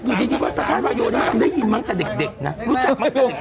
ที่นี่เป็นยังไงบ้างครับ